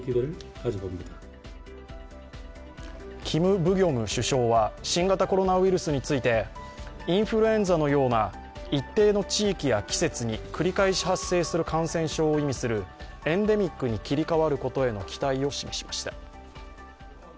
キム・ブギョム首相は新型コロナウイルスについてインフルエンザのような一定の地域や季節に繰り返し発生する感染症を意味するエンデミックに切り替わることへの期待を示しました。